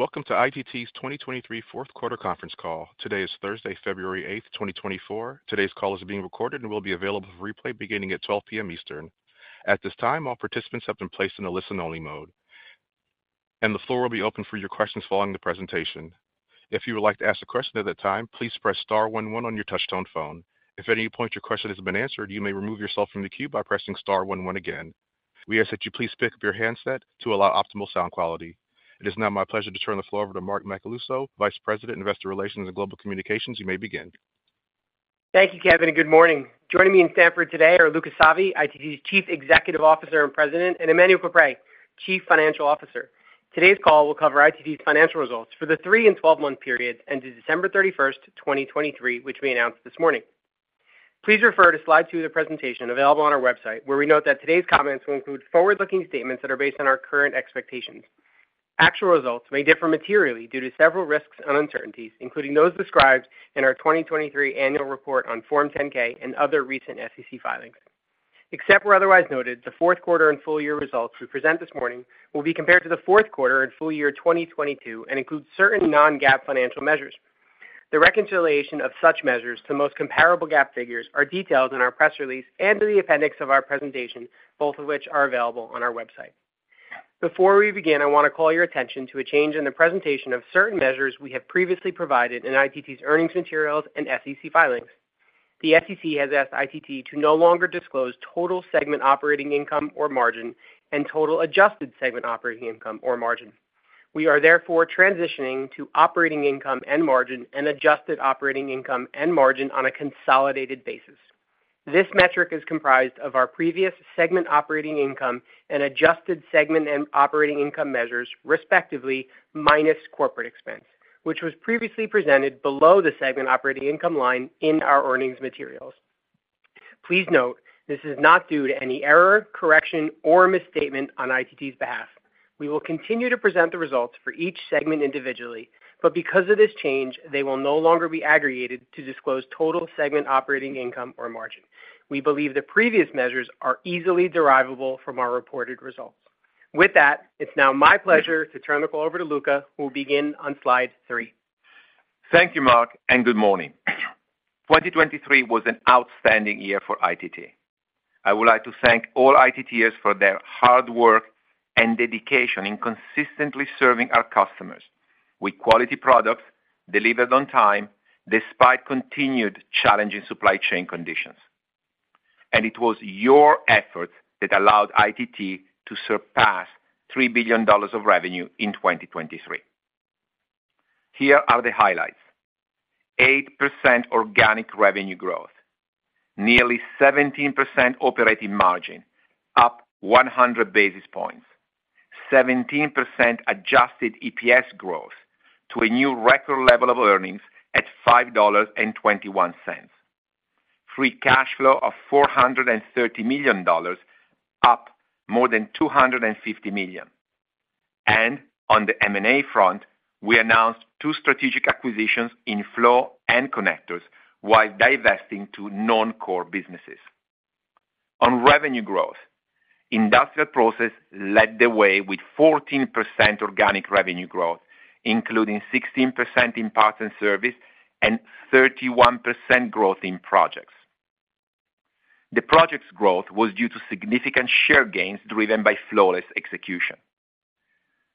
Welcome to ITT's Q4 2023 conference call. Today is Thursday, February 8, 2024. Today's call is being recorded and will be available for replay beginning at 12:00 P.M. Eastern. At this time, all participants have been placed in a listen-only mode, and the floor will be open for your questions following the presentation. If you would like to ask a question at that time, please press star one one on your touchtone phone. If at any point your question has been answered, you may remove yourself from the queue by pressing star one one again. We ask that you please pick up your handset to allow optimal sound quality. It is now my pleasure to turn the floor over to Mark Macaluso, Vice President, Investor Relations and Global Communications. You may begin. Thank you, Kevin, and good morning. Joining me in Stamford today are Luca Savi, ITT's Chief Executive Officer and President, and Emmanuel Caprais, Chief Financial Officer. Today's call will cover ITT's financial results for the three- and twelve-month period ended December 31, 2023, which we announced this morning. Please refer to slide 2 of the presentation available on our website, where we note that today's comments will include forward-looking statements that are based on our current expectations. Actual results may differ materially due to several risks and uncertainties, including those described in our 2023 annual report on Form 10-K and other recent SEC filings. Except where otherwise noted, the fourth quarter and full year results we present this morning will be compared to the fourth quarter and full year 2022 and include certain non-GAAP financial measures. The reconciliation of such measures to the most comparable GAAP figures are detailed in our press release and in the appendix of our presentation, both of which are available on our website. Before we begin, I want to call your attention to a change in the presentation of certain measures we have previously provided in ITT's earnings materials and SEC filings. The SEC has asked ITT to no longer disclose total segment operating income or margin and total adjusted segment operating income or margin. We are therefore transitioning to operating income and margin and adjusted operating income and margin on a consolidated basis. This metric is comprised of our previous segment operating income and adjusted segment and operating income measures, respectively, minus corporate expense, which was previously presented below the segment operating income line in our earnings materials. Please note, this is not due to any error, correction, or misstatement on ITT's behalf. We will continue to present the results for each segment individually, but because of this change, they will no longer be aggregated to disclose total segment operating income or margin. We believe the previous measures are easily derivable from our reported results. With that, it's now my pleasure to turn the call over to Luca, who will begin on slide three. Thank you, Mark, and good morning. 2023 was an outstanding year for ITT. I would like to thank all ITTers for their hard work and dedication in consistently serving our customers with quality products delivered on time, despite continued challenging supply chain conditions. It was your effort that allowed ITT to surpass $3 billion of revenue in 2023. Here are the highlights: eight percent organic revenue growth, nearly 17% operating margin, up 100 basis points, 17% adjusted EPS growth to a new record level of earnings at $5.21. Free cash flow of $430 million, up more than $250 million. On the M&A front, we announced two strategic acquisitions in flow and connectors while divesting to non-core businesses. On revenue growth, Industrial Process led the way with 14% organic revenue growth, including 16% in parts and service and 31% growth in projects. The project's growth was due to significant share gains driven by flawless execution.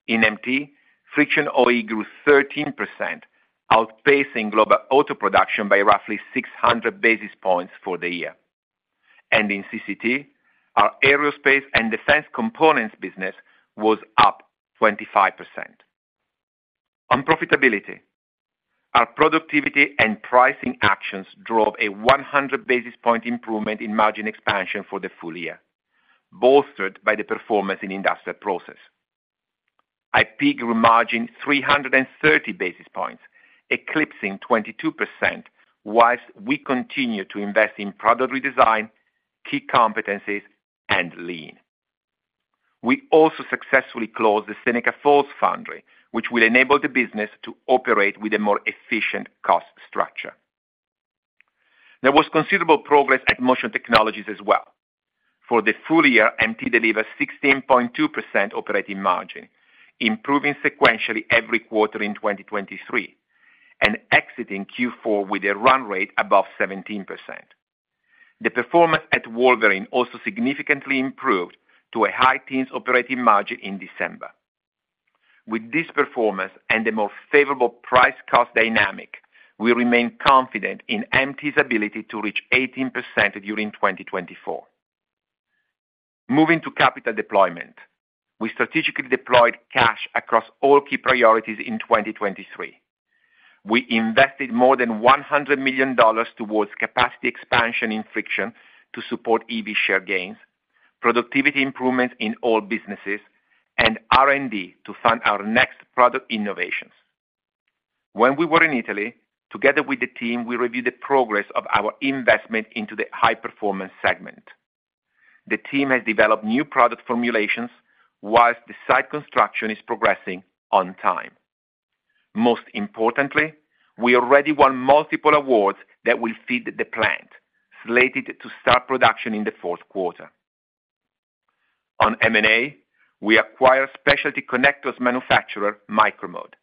In MT, Friction OE grew 13%, outpacing global auto production by roughly 600 basis points for the year. In CCT, our aerospace and defense components business was up 25%. On profitability, our productivity and pricing actions drove a 100 basis point improvement in margin expansion for the full year, bolstered by the performance in Industrial Process. IP grew margin 330 basis points, eclipsing 22%, while we continue to invest in product redesign, key competencies, and lean. We also successfully closed the Seneca Falls foundry, which will enable the business to operate with a more efficient cost structure. There was considerable progress at Motion Technologies as well. For the full year, MT delivered 16.2% operating margin, improving sequentially every quarter in 2023 and exiting Q4 with a run rate above 17%. The performance at Wolverine also significantly improved to a high teens operating margin in December. With this performance and a more favorable price-cost dynamic, we remain confident in MT's ability to reach 18% during 2024. Moving to capital deployment. We strategically deployed cash across all key priorities in 2023. We invested more than $100 million towards capacity expansion in friction to support EV share gains, productivity improvements in all businesses, and R&D to fund our next product innovations. When we were in Italy, together with the team, we reviewed the progress of our investment into the high-performance segment. The team has developed new product formulations while the site construction is progressing on time. Most importantly, we already won multiple awards that will feed the plant, slated to start production in the fourth quarter. On M&A, we acquired specialty connectors manufacturer, Micro-Mode,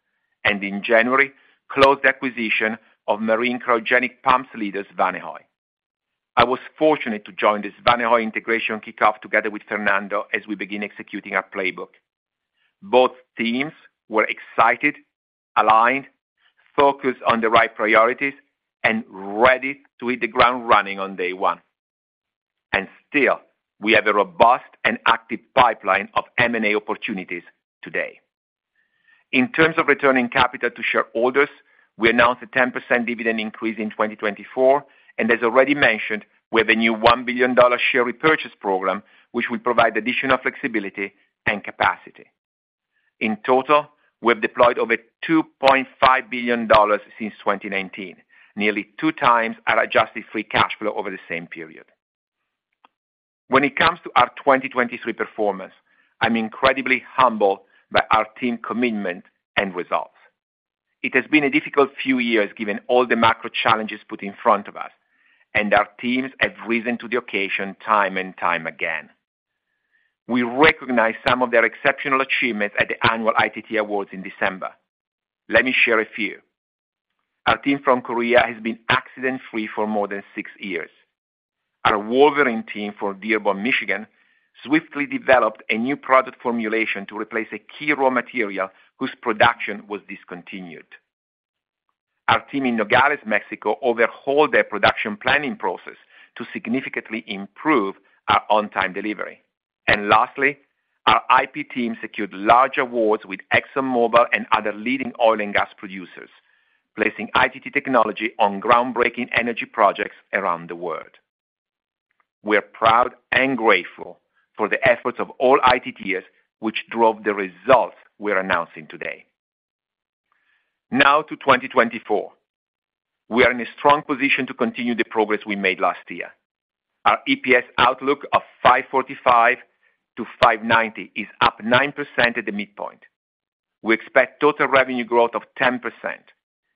and in January, closed the acquisition of marine cryogenic pumps leaders, Svanehøj. I was fortunate to join this Svanehøj integration kickoff together with Fernando as we begin executing our playbook. Both teams were excited, aligned, focused on the right priorities, and ready to hit the ground running on day one. And still, we have a robust and active pipeline of M&A opportunities today. In terms of returning capital to shareholders, we announced a 10% dividend increase in 2024, and as already mentioned, we have a new $1 billion share repurchase program, which will provide additional flexibility and capacity. In total, we have deployed over $2.5 billion since 2019, nearly 2 times our adjusted free cash flow over the same period. When it comes to our 2023 performance, I'm incredibly humbled by our team commitment and results. It has been a difficult few years, given all the macro challenges put in front of us, and our teams have risen to the occasion time and time again. We recognize some of their exceptional achievements at the annual ITT awards in December. Let me share a few. Our team from Korea has been accident-free for more than 6 years. Our Wolverine team from Dearborn, Michigan, swiftly developed a new product formulation to replace a key raw material whose production was discontinued. Our team in Nogales, Mexico, overhauled their production planning process to significantly improve our on-time delivery. Lastly, our IP team secured large awards with ExxonMobil and other leading oil and gas producers, placing ITT technology on groundbreaking energy projects around the world. We are proud and grateful for the efforts of all ITTs, which drove the results we are announcing today. Now to 2024. We are in a strong position to continue the progress we made last year. Our EPS outlook of $5.45-$5.90 is up 9% at the midpoint. We expect total revenue growth of 10%.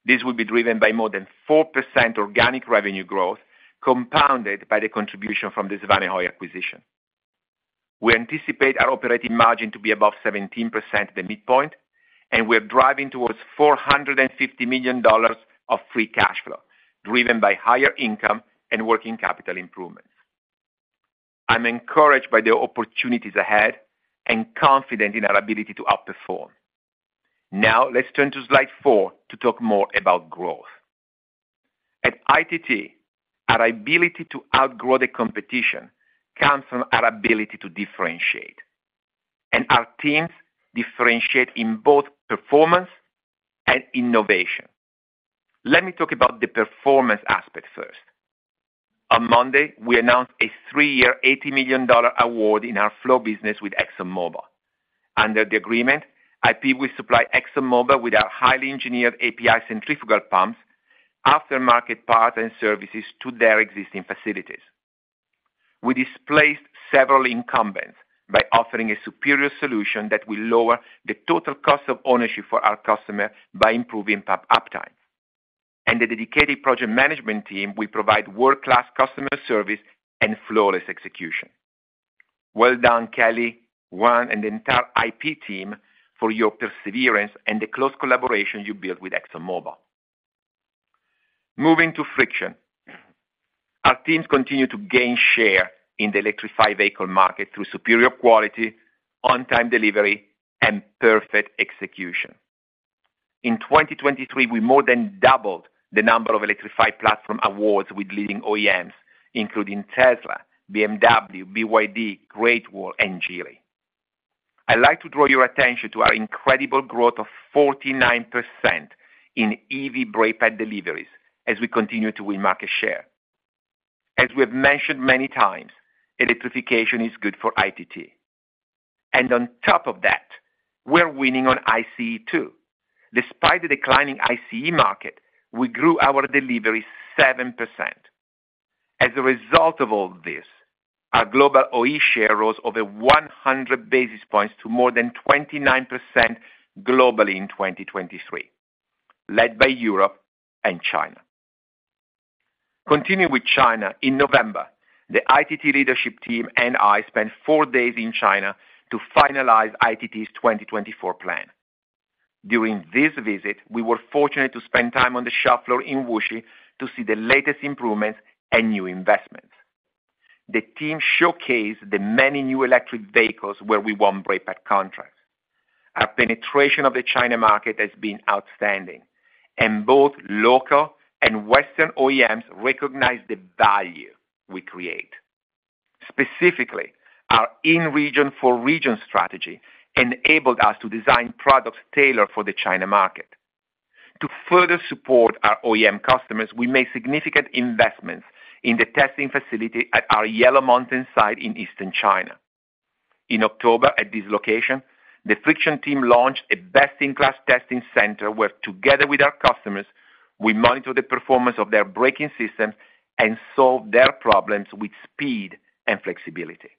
This will be driven by more than four percent organic revenue growth, compounded by the contribution from the Svanehøj acquisition. We anticipate our operating margin to be above 17% at the midpoint, and we are driving towards $450 million of free cash flow, driven by higher income and working capital improvements. I'm encouraged by the opportunities ahead and confident in our ability to outperform. Now, let's turn to slide four to talk more about growth. At ITT, our ability to outgrow the competition comes from our ability to differentiate, and our teams differentiate in both performance and innovation. Let me talk about the performance aspect first. On Monday, we announced a three-year, $80 million award in our flow business with ExxonMobil. Under the agreement, IP will supply ExxonMobil with our highly engineered API centrifugal pumps, aftermarket parts and services to their existing facilities. We displaced several incumbents by offering a superior solution that will lower the total cost of ownership for our customer by improving pump uptime. And the dedicated project management team will provide world-class customer service and flawless execution. Well done, Kelly, Juan and the entire IP team, for your perseverance and the close collaboration you built with ExxonMobil. Moving to friction. Our teams continue to gain share in the electrified vehicle market through superior quality, on-time delivery, and perfect execution. In 2023, we more than doubled the number of electrified platform awards with leading OEMs, including Tesla, BMW, BYD, Great Wall, and Geely. I'd like to draw your attention to our incredible growth of 49% in EV brake pad deliveries as we continue to win market share. As we have mentioned many times, electrification is good for ITT, and on top of that, we're winning on ICE, too. Despite the declining ICE market, we grew our delivery seven percent. As a result of all this, our global OE share rose over 100 basis points to more than 29% globally in 2023, led by Europe and China. Continuing with China, in November, the ITT leadership team and I spent four days in China to finalize ITT's 2024 plan. During this visit, we were fortunate to spend time on the shop floor in Wuxi to see the latest improvements and new investments. The team showcased the many new electric vehicles where we won brake pad contracts. Our penetration of the China market has been outstanding, and both local and Western OEMs recognize the value we create. Specifically, our in-region for region strategy enabled us to design products tailored for the China market. To further support our OEM customers, we made significant investments in the testing facility at our Yellow Mountain site in eastern China. In October, at this location, the friction team launched a best-in-class testing center, where together with our customers, we monitor the performance of their braking systems and solve their problems with speed and flexibility.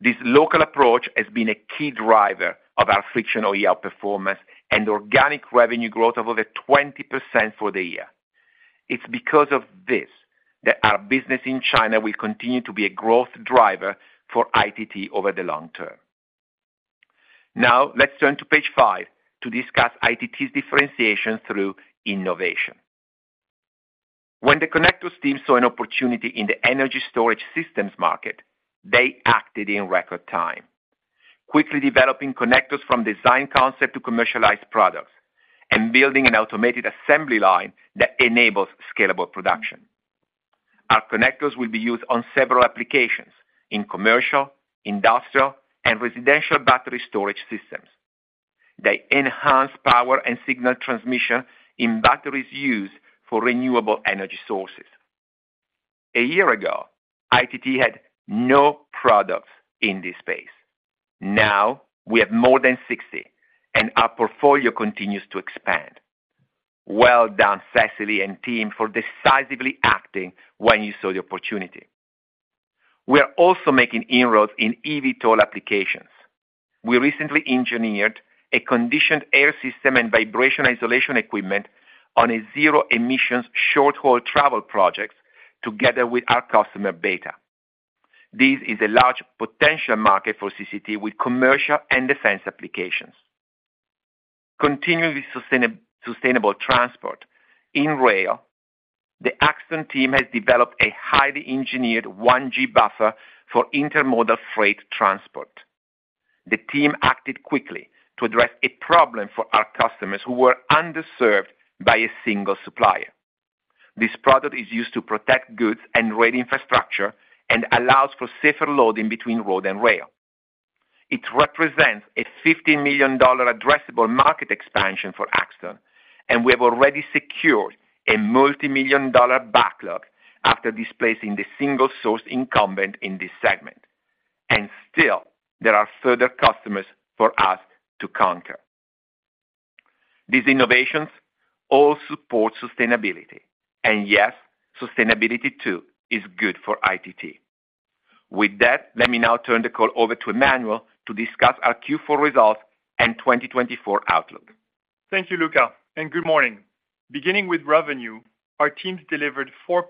This local approach has been a key driver of our friction OE outperformance and organic revenue growth of over 20% for the year. It's because of this, that our business in China will continue to be a growth driver for ITT over the long term. Now, let's turn to page 5, to discuss ITT's differentiation through innovation. When the connectors team saw an opportunity in the energy storage systems market, they acted in record time, quickly developing connectors from design concept to commercialized products, and building an automated assembly line that enables scalable production. Our connectors will be used on several applications in commercial, industrial, and residential battery storage systems. They enhance power and signal transmission in batteries used for renewable energy sources. A year ago, ITT had no products in this space. Now, we have more than 60, and our portfolio continues to expand. Well done, Cécile and team, for decisively acting when you saw the opportunity. We are also making inroads in eVTOL applications. We recently engineered a conditioned air system and vibration isolation equipment on a zero-emissions short-haul travel projects together with our customer, Beta. This is a large potential market for CCT with commercial and defense applications. Continuing with sustainable transport, in rail, the Axtone team has developed a highly engineered Green Buffer for intermodal freight transport. The team acted quickly to address a problem for our customers who were underserved by a single supplier. This product is used to protect goods and rail infrastructure and allows for safer loading between road and rail. It represents a $50 million addressable market expansion for Axtone, and we have already secured a multimillion-dollar backlog after displacing the single source incumbent in this segment. And still, there are further customers for us to conquer. These innovations all support sustainability, and yes, sustainability, too, is good for ITT. With that, let me now turn the call over to Emmanuel to discuss our Q4 results and 2024 outlook. Thank you, Luca, and good morning. Beginning with revenue, our teams delivered 4%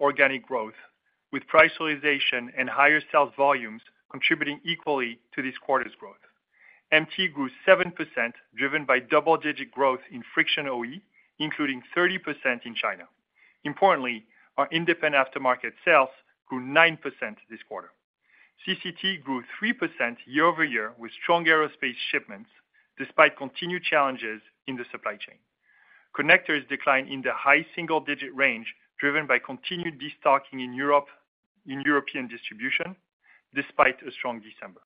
organic growth, with price realization and higher sales volumes contributing equally to this quarter's growth. MT grew seven %, driven by double-digit growth in friction OE, including 30% in China. Importantly, our independent aftermarket sales grew nine this quarter. CCT grew 3% year-over-year with strong aerospace shipments, despite continued challenges in the supply chain. Connectors declined in the high single-digit range, driven by continued destocking in Europe, in European distribution, despite a strong December.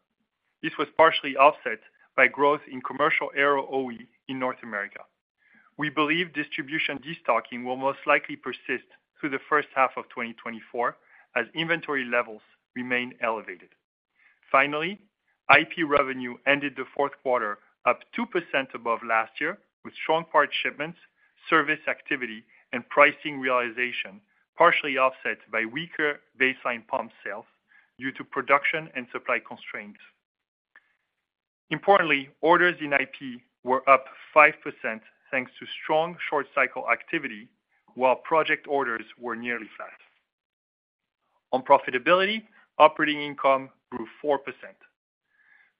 This was partially offset by growth in commercial aero OE in North America. We believe distribution destocking will most likely persist through the first half of 2024, as inventory levels remain elevated. Finally, IP revenue ended the fourth quarter up two percent above last year, with strong part shipments, service activity, and pricing realization, partially offset by weaker baseline pump sales due to production and supply constraints. Importantly, orders in IP were up five percent, thanks to strong short-cycle activity, while project orders were nearly flat. On profitability, operating income grew four %.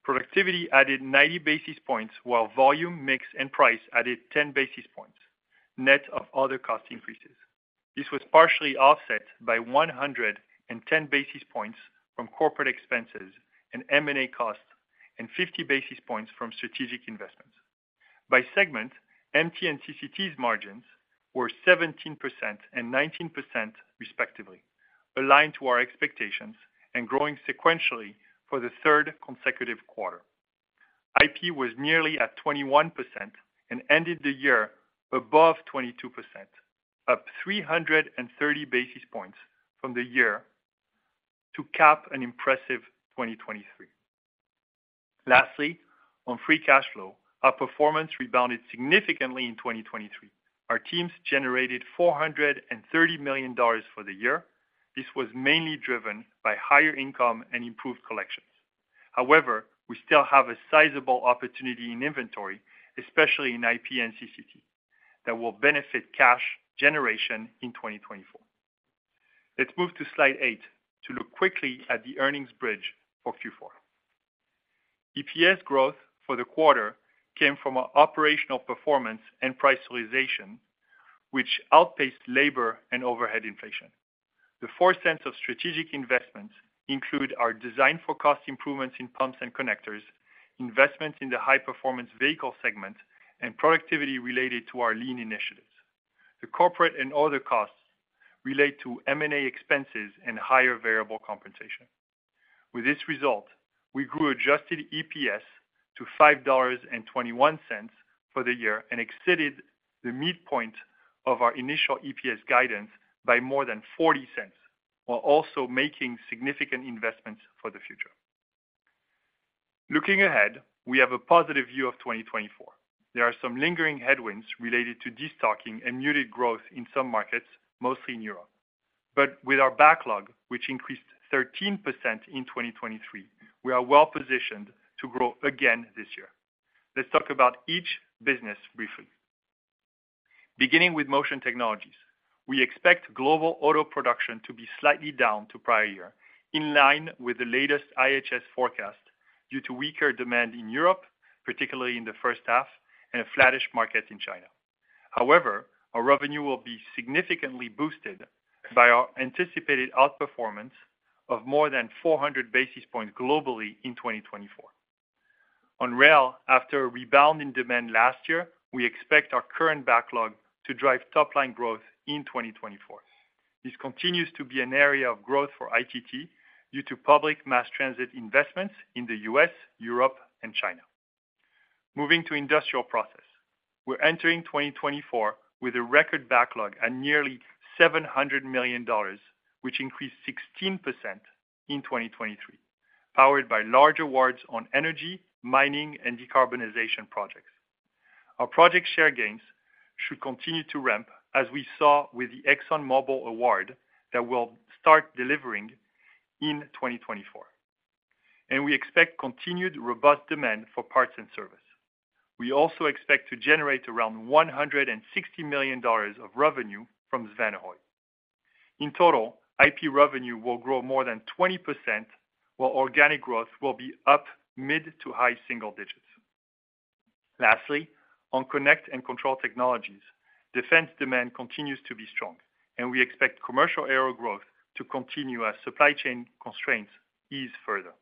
Productivity added 90 basis points, while volume, mix, and price added 10 basis points, net of other cost increases. This was partially offset by 110 basis points from corporate expenses and M&A costs, and 50 basis points from strategic investments. By segment, MT and CCT's margins were 17% and 19%, respectively, aligned to our expectations and growing sequentially for the third consecutive quarter. IP was nearly at 21% and ended the year above 22%, up 330 basis points from the year to cap an impressive 2023. Lastly, on free cash flow, our performance rebounded significantly in 2023. Our teams generated $430 million for the year. This was mainly driven by higher income and improved collections. However, we still have a sizable opportunity in inventory, especially in IP and CCT, that will benefit cash generation in 2024. Let's move to slide 8 to look quickly at the earnings bridge for Q4. EPS growth for the quarter came from our operational performance and price realization, which outpaced labor and overhead inflation. The $0.04 of strategic investments include our design for cost improvements in pumps and connectors, investments in the high-performance vehicle segment, and productivity related to our lean initiatives. The corporate and other costs relate to M&A expenses and higher variable compensation. With this result, we grew adjusted EPS to $5.21 for the year and exceeded the midpoint of our initial EPS guidance by more than $0.40, while also making significant investments for the future. Looking ahead, we have a positive view of 2024. There are some lingering headwinds related to destocking and muted growth in some markets, mostly in Europe. But with our backlog, which increased 13% in 2023, we are well positioned to grow again this year. Let's talk about each business briefly. Beginning with Motion Technologies, we expect global auto production to be slightly down to prior year, in line with the latest IHS forecast, due to weaker demand in Europe, particularly in the first half, and a flattish market in China. However, our revenue will be significantly boosted by our anticipated outperformance of more than 400 basis points globally in 2024. On rail, after a rebound in demand last year, we expect our current backlog to drive top-line growth in 2024. This continues to be an area of growth for ITT due to public mass transit investments in the U.S., Europe, and China. Moving to Industrial Process. We're entering 2024 with a record backlog at nearly $700 million, which increased 16% in 2023, powered by large awards on energy, mining, and decarbonization projects. Our project share gains should continue to ramp, as we saw with the ExxonMobil award that we'll start delivering in 2024, and we expect continued robust demand for parts and service. We also expect to generate around $160 million of revenue from Svanehøj. In total, IP revenue will grow more than 20%, while organic growth will be up mid- to high-single-digits. Lastly, on Connect and Control Technologies, defense demand continues to be strong, and we expect commercial aero growth to continue as supply chain constraints ease further.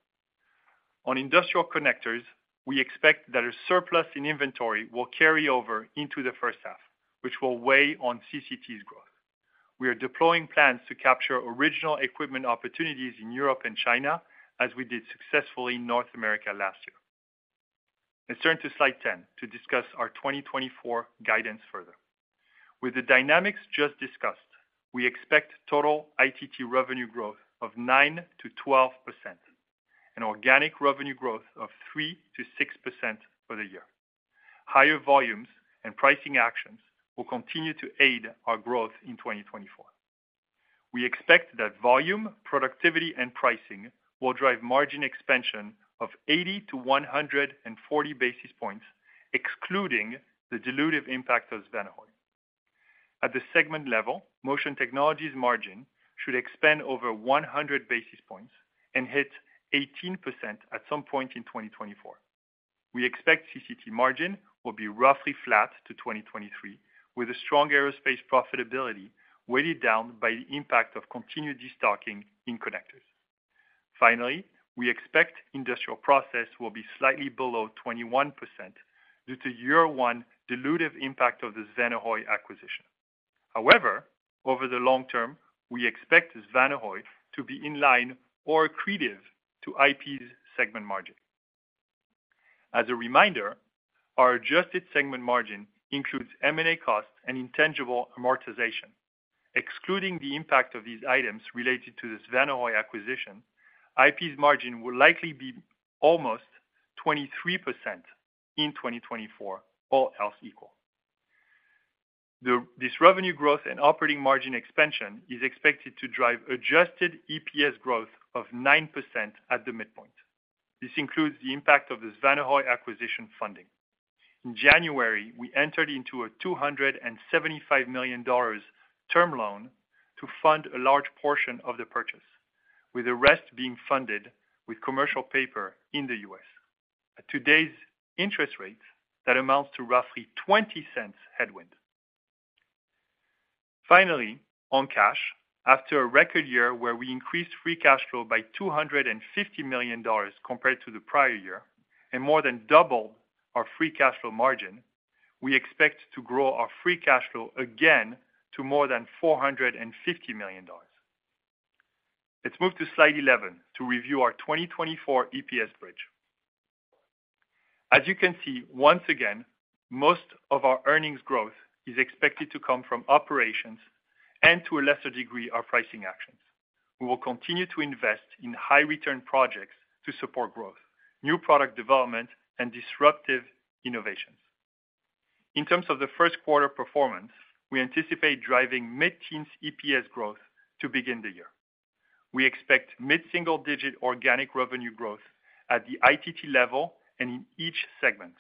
On industrial connectors, we expect that a surplus in inventory will carry over into the first half, which will weigh on CCT's growth. We are deploying plans to capture original equipment opportunities in Europe and China, as we did successfully in North America last year. Let's turn to slide 10 to discuss our 2024 guidance further. With the dynamics just discussed, we expect total ITT revenue growth of nine %-12%, and organic revenue growth of three %- six% for the year. Higher volumes and pricing actions will continue to aid our growth in 2024. We expect that volume, productivity, and pricing will drive margin expansion of 80-140 basis points, excluding the dilutive impact of Svanehøj. At the segment level, Motion Technologies margin should expand over 100 basis points and hit 18% at some point in 2024. We expect CCT margin will be roughly flat to 2023, with a strong aerospace profitability, weighted down by the impact of continued destocking in connectors. Finally, we expect industrial process will be slightly below 21% due to year one dilutive impact of the Svanehøj acquisition. However, over the long term, we expect Svanehøj to be in line or accretive to IP's segment margin. As a reminder, our adjusted segment margin includes M&A costs and intangible amortization. Excluding the impact of these items related to the Svanehøj acquisition, IP's margin will likely be almost 23% in 2024, all else equal. This revenue growth and operating margin expansion is expected to drive adjusted EPS growth of 9% at the midpoint. This includes the impact of the Svanehøj acquisition funding. In January, we entered into a $275 million term loan to fund a large portion of the purchase, with the rest being funded with commercial paper in the U.S. At today's interest rate, that amounts to roughly $0.20 headwind. Finally, on cash, after a record year where we increased free cash flow by $250 million compared to the prior year, and more than double our free cash flow margin, we expect to grow our free cash flow again to more than $450 million. Let's move to slide 11 to review our 2024 EPS bridge. As you can see, once again, most of our earnings growth is expected to come from operations and to a lesser degree, our pricing actions. We will continue to invest in high return projects to support growth, new product development, and disruptive innovations. In terms of the first quarter performance, we anticipate driving mid-teens EPS growth to begin the year. We expect mid-single-digit organic revenue growth at the ITT level and in each segment.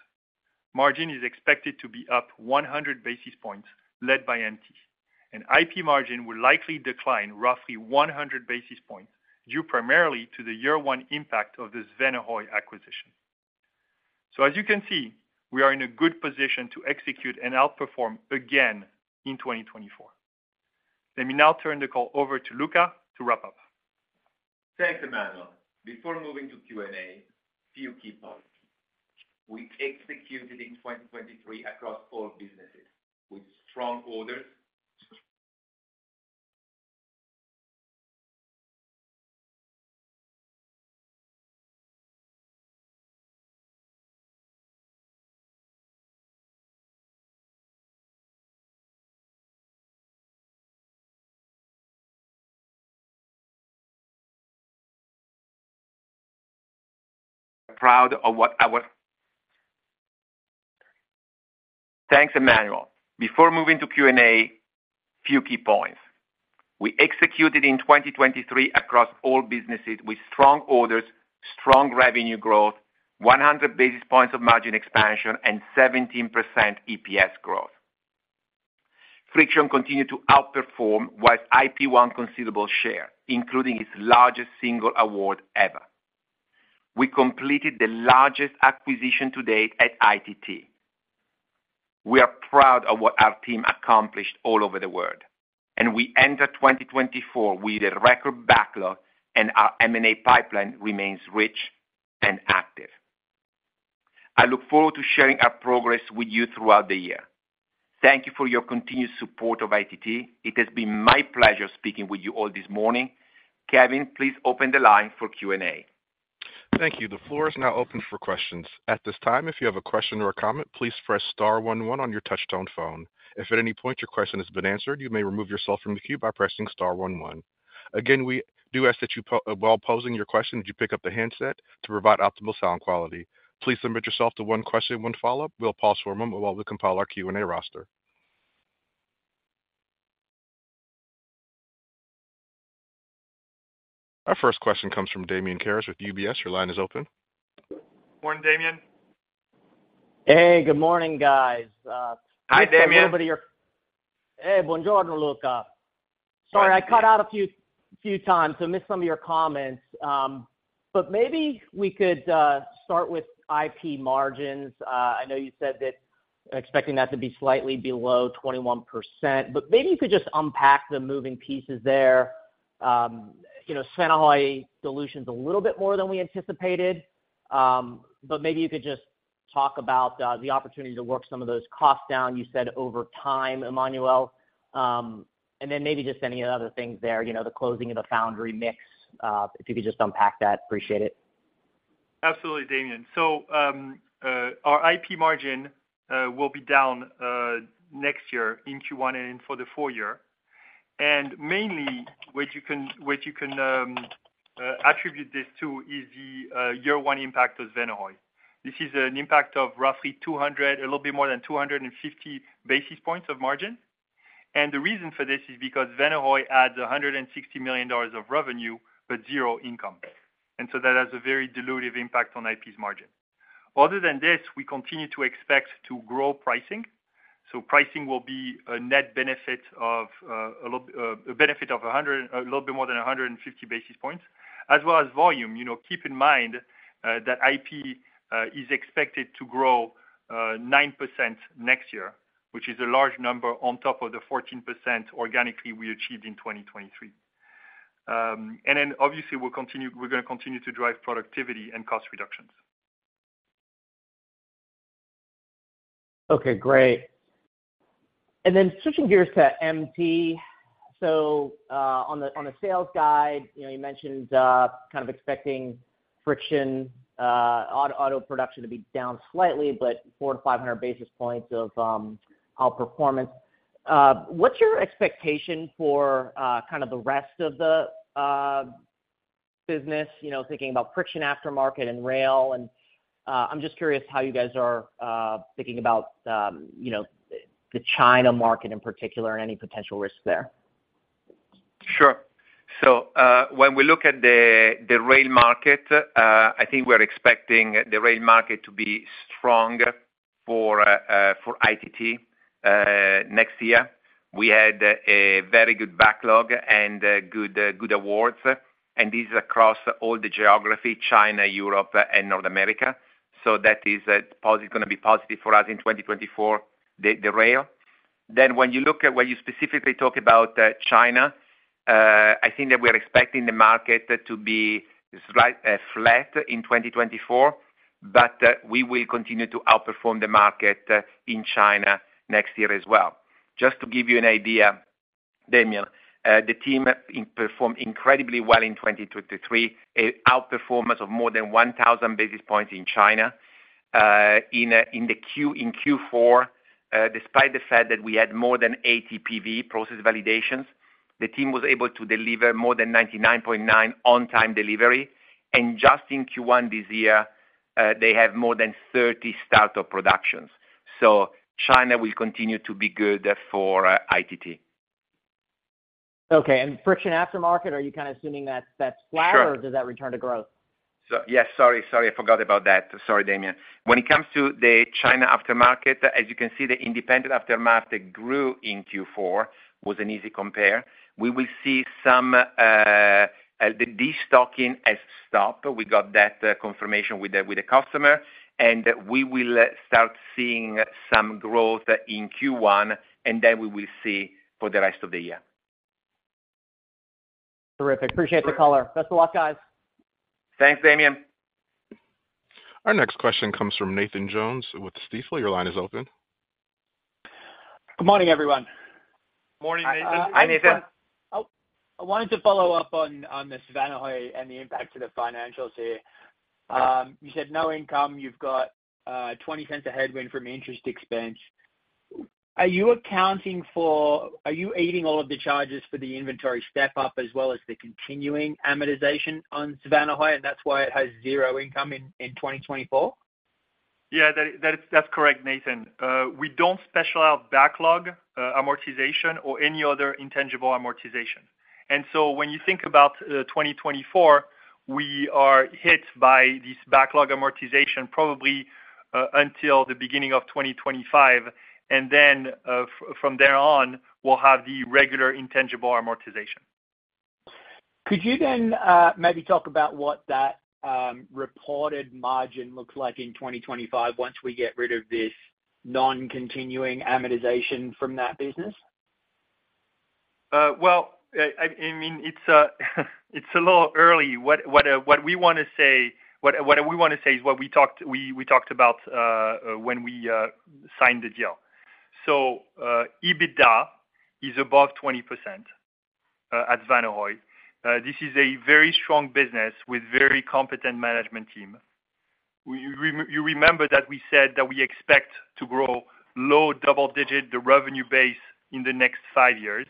Margin is expected to be up 100 basis points, led by MT. IP margin will likely decline roughly 100 basis points, due primarily to the year one impact of the Svanehøj acquisition. As you can see, we are in a good position to execute and outperform again in 2024. Let me now turn the call over to Luca to wrap up. [audio gap]. Thanks, Emmanuel. Before moving to Q&A, few key points. We executed in 2023 across all businesses with strong orders, strong revenue growth, 100 basis points of margin expansion, and 17% EPS growth. Friction continued to outperform, while IP won considerable share, including its largest single award ever. We completed the largest acquisition to date at ITT. We are proud of what our team accomplished all over the world, and we enter 2024 with a record backlog, and our M&A pipeline remains rich and active. I look forward to sharing our progress with you throughout the year. Thank you for your continued support of ITT. It has been my pleasure speaking with you all this morning. Kevin, please open the line for Q&A. Thank you. The floor is now open for questions. At this time, if you have a question or a comment, please press star one one on your touchtone phone. If at any point your question has been answered, you may remove yourself from the queue by pressing star one one. Again, we do ask that you, while posing your question, would you pick up the handset to provide optimal sound quality. Please limit yourself to one question, one follow-up. We'll pause for a moment while we compile our Q&A roster. Our first question comes from Damian Karas with UBS. Your line is open. Morning, Damian. Hey, good morning, guys. Hi, Damian. Hey, buongiorno, Luca. Sorry, I cut out a few times, so I missed some of your comments, but maybe we could start with IP margins. I know you said that expecting that to be slightly below 21%, but maybe you could just unpack the moving pieces there. You know, Svanehøj dilution is a little bit more than we anticipated, but maybe you could just talk about the opportunity to work some of those costs down, you said over time, Emmanuel. And then maybe just any other things there, you know, the closing of the foundry in Mexico, if you could just unpack that. Appreciate it. Absolutely, Damian. So, our IP margin will be down next year in Q1 and for the full year. And mainly, what you can, what you can attribute this to is the year one impact of Svanehøj. This is an impact of roughly 200, a little bit more than 250 basis points of margin. And the reason for this is because Svanehøj adds $160 million of revenue, but zero income. And so that has a very dilutive impact on IP's margin. Other than this, we continue to expect to grow pricing. So pricing will be a net benefit of a little, a benefit of 100, a little bit more than 150 basis points, as well as volume. You know, keep in mind, that IP is expected to grow 9% next year, which is a large number on top of the 14% organically we achieved in 2023. And then obviously, we're gonna continue to drive productivity and cost reductions. Okay, great. And then switching gears to MT. So, on the, on the sales guide, you know, you mentioned, kind of expecting friction, auto, auto production to be down slightly, but 400-500 basis points of, outperformance. What's your expectation for, kind of the rest of the, business? You know, thinking about friction aftermarket and rail, and, I'm just curious how you guys are, thinking about, you know, the China market in particular and any potential risks there. Sure. So, when we look at the rail market, I think we're expecting the rail market to be strong for ITT next year. We had a very good backlog and good awards, and this is across all the geography, China, Europe, and North America. So that is positive, gonna be positive for us in 2024, the rail. Then when you look at, when you specifically talk about China, I think that we are expecting the market to be slight flat in 2024, but we will continue to outperform the market in China next year as well. Just to give you an idea, Damian, the team in performed incredibly well in 2023, an outperformance of more than 1000 basis points in China. In Q4, despite the fact that we had more than 80 PV process validations, the team was able to deliver more than 99.9% on-time delivery. Just in Q1 this year, they have more than 30 start of productions. So China will continue to be good for ITT. Okay, and friction aftermarket, are you kind of assuming that that's flat- Sure. or does that return to growth? Yes, sorry, sorry, I forgot about that. Sorry, Damian. When it comes to the China aftermarket, as you can see, the independent aftermarket grew in Q4, was an easy compare. We will see some, the destocking has stopped. We got that, confirmation with the, with the customer, and we will start seeing some growth in Q1, and then we will see for the rest of the year. Terrific. Appreciate the color. Best of luck, guys. Thanks, Damian. Our next question comes from Nathan Jones with Stifel. Your line is open. Good morning, everyone. Morning, Nathan. Hi, Nathan. I wanted to follow up on this Svanehøj and the impact to the financials here. You said no income, you've got $0.20 of headwind from interest expense. Are you eating all of the charges for the inventory step up as well as the continuing amortization on Svanehøj, and that's why it has zero income in 2024? Yeah, that, that is, that's correct, Nathan. We don't special out backlog amortization or any other intangible amortization. And so when you think about 2024, we are hit by this backlog amortization probably until the beginning of 2025, and then from there on, we'll have the regular intangible amortization. Could you then maybe talk about what that reported margin looks like in 2025 once we get rid of this non-recurring amortization from that business? Well, I mean, it's a little early. What we wanna say is what we talked about when we signed the deal. So, EBITDA is above 20% at Svanehøj. This is a very strong business with very competent management team. You remember that we said that we expect to grow low double digit the revenue base in the next five years.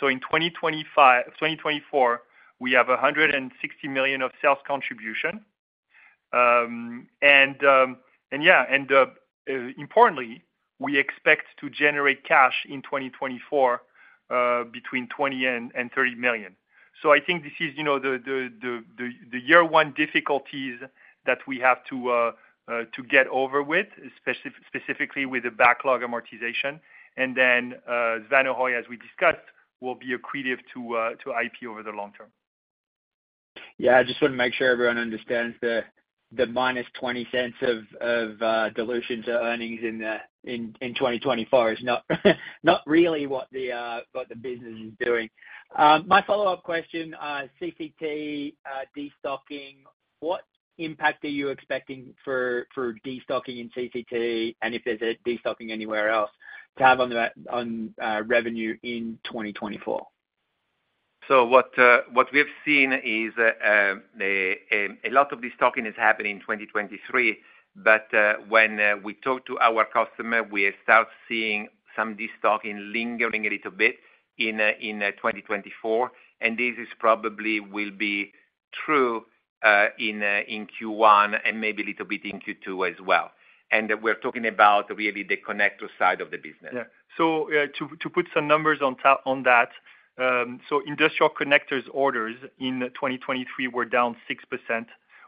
So in 2025-2024, we have $160 million of sales contribution. And yeah, and importantly, we expect to generate cash in 2024 between $20-$30 million. So I think this is, you know, the year one difficulties that we have to get over with, specifically with the backlog amortization. And then, Svanehøj, as we discussed, will be accretive to IP over the long term. Yeah, I just want to make sure everyone understands the - $0.20 of dilutions to earnings in 2024 is not really what the business is doing. My follow-up question, CCT, destocking, what impact are you expecting for destocking in CCT, and if there's a destocking anywhere else, to have on the revenue in 2024? So what we have seen is a lot of destocking is happening in 2023, but when we talk to our customer, we start seeing some destocking lingering a little bit in 2024, and this is probably will be true in Q1 and maybe a little bit in Q2 as well. And we're talking about really the connector side of the business. Yeah. So, to put some numbers on top, on that, so industrial connectors orders in 2023 were down 6%.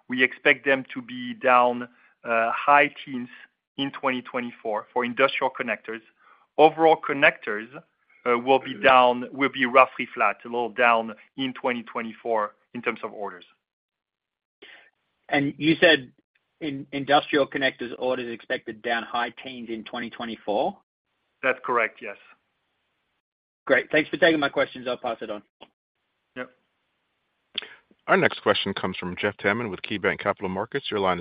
We expect them to be down, high teens in 2024 for industrial connectors. Overall connectors, will be down, will be roughly flat, a little down in 2024 in terms of orders. You said industrial connectors orders expected down high teens in 2024? That's correct, yes. Great. Thanks for taking my questions. I'll pass it on. Yep. Our next question comes from Jeff Hammond with KeyBanc Capital Markets. Your line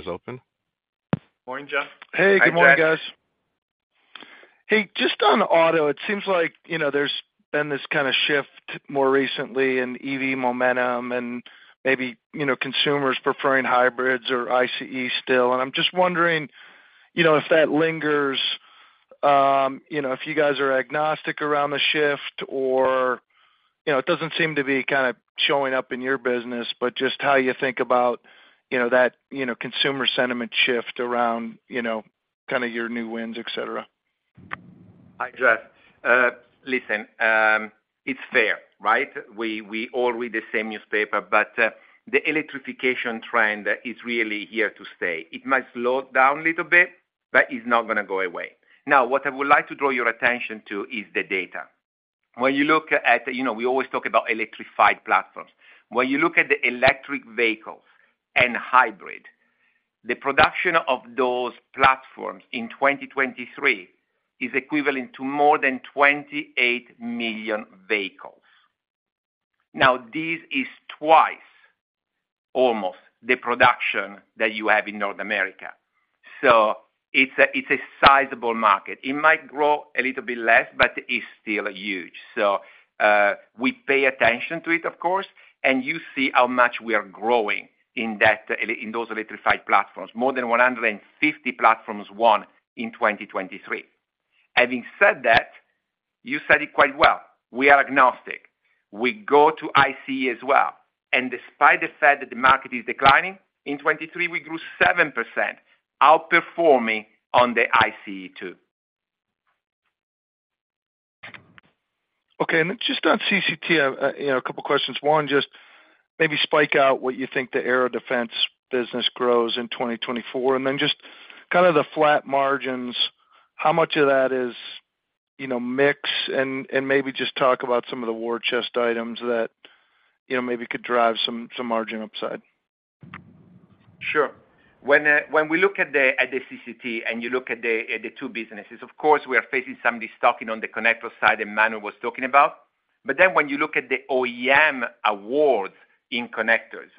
is open. Morning, Jeff. Hey, good morning, guys. Hi, Jeff. Hey, just on auto, it seems like, you know, there's been this kind of shift more recently in EV momentum and maybe, you know, consumers preferring hybrids or ICE still. And I'm just wondering, you know, if that lingers, you know, if you guys are agnostic around the shift or, you know, it doesn't seem to be kind of showing up in your business, but just how you think about, you know, that, you know, consumer sentiment shift around, you know, kind of your new wins, et cetera. Hi, Jeff. Listen, it's fair, right? We all read the same newspaper, but the electrification trend is really here to stay. It might slow down a little bit, but it's not gonna go away. Now, what I would like to draw your attention to is the data. When you look at, you know, we always talk about electrified platforms. When you look at the electric vehicles and hybrid, the production of those platforms in 2023 is equivalent to more than 28 million vehicles. Now, this is twice, almost, the production that you have in North America. So it's a sizable market. It might grow a little bit less, but it's still huge. So we pay attention to it, of course, and you see how much we are growing in that, in those electrified platforms. More than 150 platforms won in 2023. Having said that, you said it quite well, we are agnostic. We go to ICE as well, and despite the fact that the market is declining, in 2023, we grew 7%, outperforming on the ICE, too. Okay. Then just on CCT, you know, a couple questions. One, just maybe break out what you think the Aero Defense business grows in 2024, and then just kind of the flat margins, how much of that is, you know, mix? And maybe just talk about some of the war chest items that, you know, maybe could drive some, some margin upside. Sure. When we look at the CCT and you look at the two businesses, of course, we are facing some destocking on the connector side, and Emmanuel was talking about. But then when you look at the OEM awards in connectors,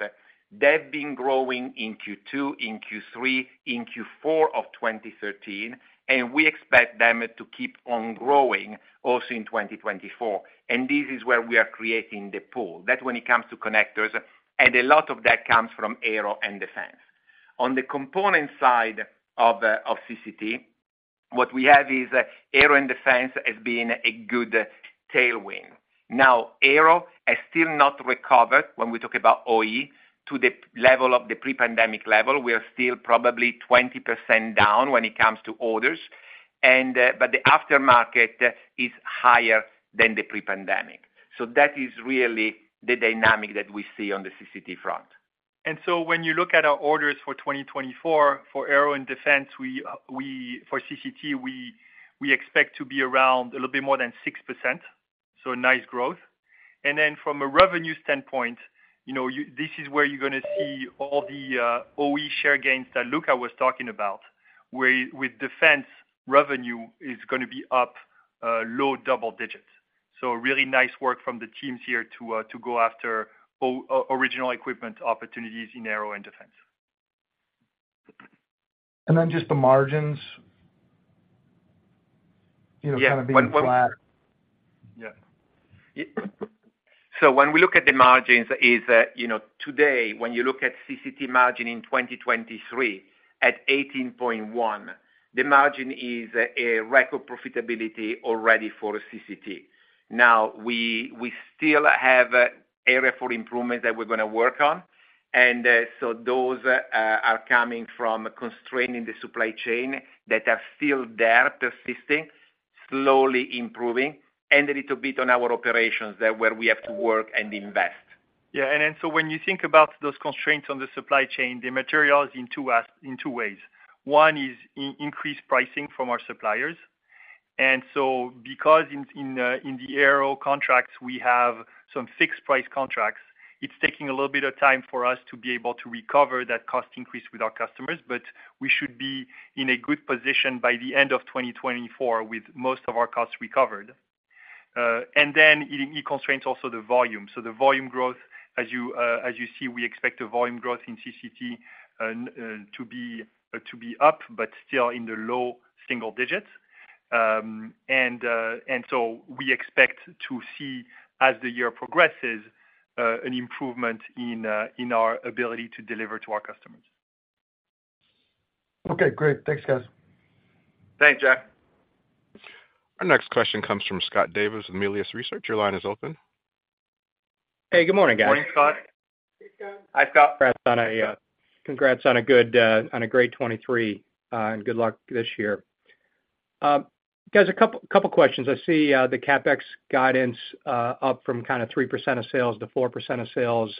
they've been growing in Q2, in Q3, in Q4 of 2013, and we expect them to keep on growing also in 2024, and this is where we are creating the pool. That's when it comes to connectors, and a lot of that comes from Aero and Defense. On the component side of CCT, what we have is Aero and Defense has been a good tailwind. Now, Aero has still not recovered when we talk about OE to the level of the pre-pandemic level. We are still probably 20% down when it comes to orders, and, but the aftermarket is higher than the pre-pandemic. So that is really the dynamic that we see on the CCT front. And so when you look at our orders for 2024, for Aero and Defense, we for CCT, we expect to be around a little bit more than 6%, so a nice growth. And then from a revenue standpoint, you know, this is where you're gonna see all the OE share gains that Luca was talking about, where with defense, revenue is gonna be up low double digits. So really nice work from the teams here to go after original equipment opportunities in Aero and Defense. And then just the margins, you know, kind of being flat. Yeah. Yeah. So when we look at the margins is, you know, today, when you look at CCT margin in 2023, at 18.1%, the margin is a record profitability already for CCT. Now, we still have area for improvement that we're gonna work on, and so those are coming from constraining the supply chain that are still there, persisting, slowly improving, and a little bit on our operations that where we have to work and invest. Yeah, and then so when you think about those constraints on the supply chain, the materials in two ways. One is in increased pricing from our suppliers. And so because in the Aero contracts, we have some fixed price contracts, it's taking a little bit of time for us to be able to recover that cost increase with our customers, but we should be in a good position by the end of 2024, with most of our costs recovered. And then in constraints, also the volume. So the volume growth, as you see, we expect the volume growth in CCT to be up, but still in the low single digits. And so we expect to see, as the year progresses, an improvement in our ability to deliver to our customers. Okay, great. Thanks, guys. Thanks, Jeff. Our next question comes from Scott Davis with Melius Research. Your line is open. Hey, good morning, guys. Morning, Scott. Hey, Scott. Hi, Scott. Congrats on a great 2023 and good luck this year. Guys, a couple questions. I see the CapEx guidance up from kind of 3% of sales to 4% of sales,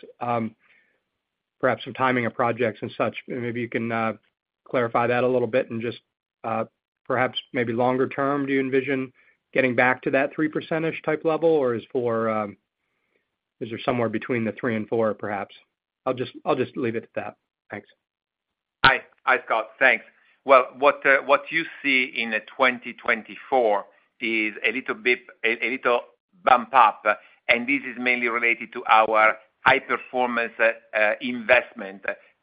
perhaps some timing of projects and such. Maybe you can clarify that a little bit and just perhaps maybe longer term, do you envision getting back to that 3% type level, or is for... Is there somewhere between the 3% and 4%, perhaps? I'll just leave it at that. Thanks. Hi. Hi, Scott. Thanks. Well, what you see in 2024 is a little bit, a little bump up, and this is mainly related to our high performance investment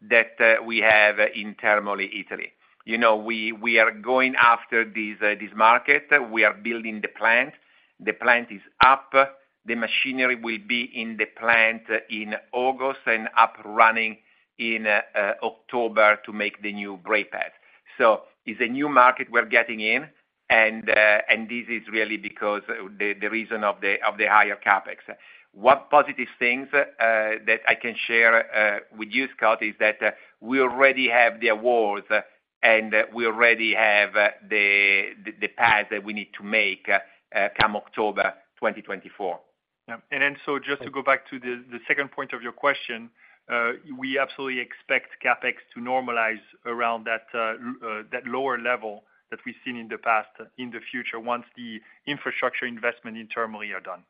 that we have in Termoli, Italy. You know, we are going after this market. We are building the plant. The plant is up. The machinery will be in the plant in August and up running in October to make the new brake pad. So it's a new market we're getting in, and this is really because the reason of the higher CapEx. One positive thing that I can share with you, Scott, is that we already have the awards, and we already have the path that we need to make come October 2024. Yeah, and then so just to go back to the second point of your question, we absolutely expect CapEx to normalize around that lower level that we've seen in the past, in the future, once the infrastructure investment in Termoli are done.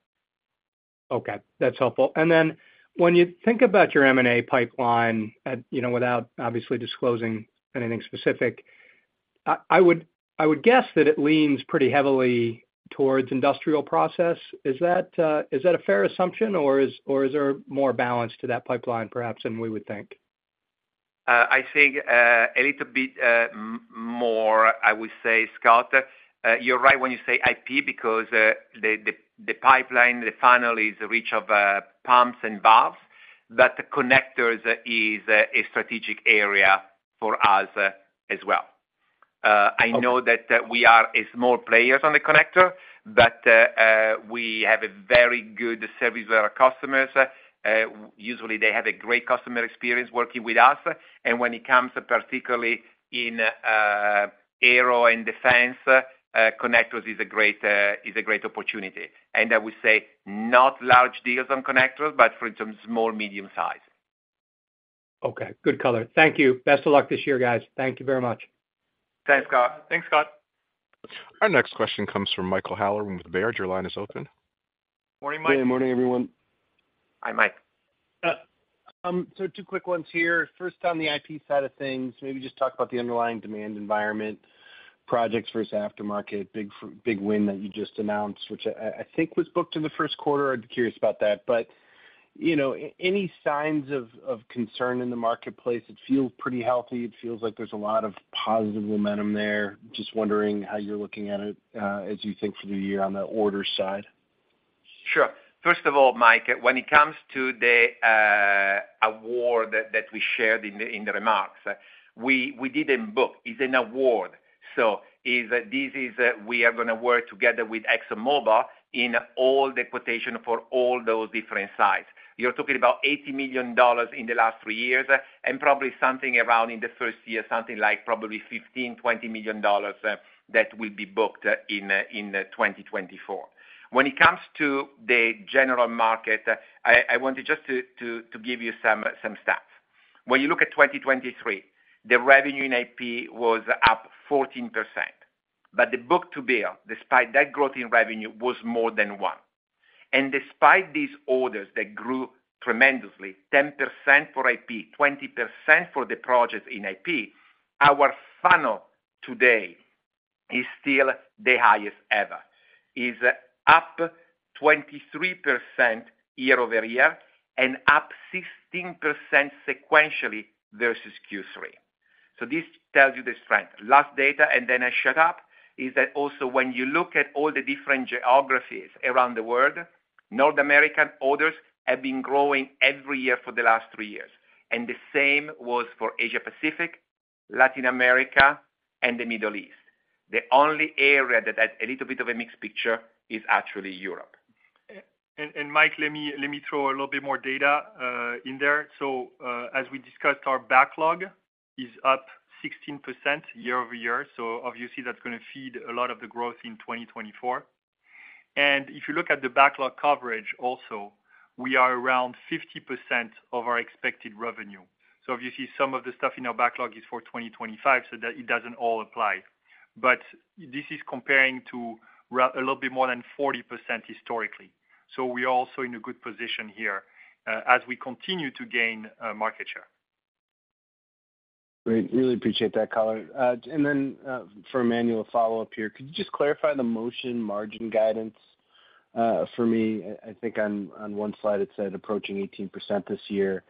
Okay, that's helpful. And then when you think about your M&A pipeline, you know, without obviously disclosing anything specific, I would guess that it leans pretty heavily towards industrial process. Is that a fair assumption, or is there more balance to that pipeline, perhaps than we would think? I think a little bit more, I would say, Scott, you're right when you say IP, because the pipeline, the funnel is rich with pumps and valves, but the connectors is a strategic area for us as well. I know that we are a small players on the connector, but we have a very good service to our customers. Usually they have a great customer experience working with us, and when it comes particularly in Aero and Defense, connectors is a great opportunity. And I would say, not large deals on connectors, but for some small, medium size. Okay. Good color. Thank you. Best of luck this year, guys. Thank you very much. Thanks, Scott. Thanks, Scott. Our next question comes from Michael Halloran with Baird. Your line is open. Morning, Mike. Good morning, everyone. Hi, Mike. So two quick ones here. First, on the IP side of things, maybe just talk about the underlying demand environment, projects versus aftermarket, big win that you just announced, which I think was booked in the first quarter. I'd be curious about that. But, you know, any signs of concern in the marketplace? It feels pretty healthy. It feels like there's a lot of positive momentum there. Just wondering how you're looking at it, as you think for the year on the order side. First of all, Mike, when it comes to the award that we shared in the remarks, we didn't book, it's an award. So this is, we are gonna work together with ExxonMobil in all the quotation for all those different sites. You're talking about $80 million in the last three years, and probably something around in the first year, something like probably $15-$20 million, that will be booked in 2024. When it comes to the general market, I want to just to give you some stats. When you look at 2023, the revenue in IP was up 14%, but the book to bill, despite that growth in revenue, was more than one. Despite these orders that grew tremendously, 10% for IP, 20% for the projects in IP, our funnel today is still the highest ever, is up 23% year-over-year and up 16% sequentially versus Q3. So this tells you the strength. Last data, and then I shut up, is that also when you look at all the different geographies around the world, North American orders have been growing every year for the last 3 years, and the same was for Asia Pacific, Latin America, and the Middle East. The only area that had a little bit of a mixed picture is actually Europe. Mike, let me throw a little bit more data in there. So, as we discussed, our backlog is up 16% year-over-year. So obviously, that's gonna feed a lot of the growth in 2024. And if you look at the backlog coverage also, we are around 50% of our expected revenue. So obviously, some of the stuff in our backlog is for 2025, so that it doesn't all apply. But this is comparing to a little bit more than 40% historically. So we are also in a good position here, as we continue to gain market share. Great, really appreciate that, Colin. And then, for Emmanuel, a follow-up here. Could you just clarify the motion margin guidance, for me? I, I think on, on one slide, it said approaching 18% this year.